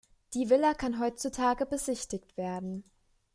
Die Villa kann heutzutage besichtigt werden.